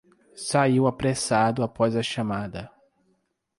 Saiu apressado após a chamada